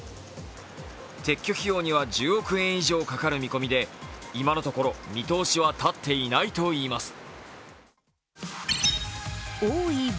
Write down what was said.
撤去費用には１０億円以上かかる見込みで、今のところ見通しは立っていないといいます。